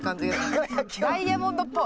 ダイヤモンドっぽい。